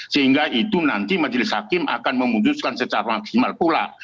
sehingga itu nanti majelis hakim akan memutuskan secara maksimal pula